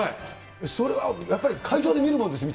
それはやっぱり、会場で見るもんですと。